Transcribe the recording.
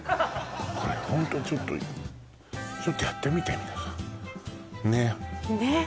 これホントちょっとちょっとやってみて皆さんねっねっ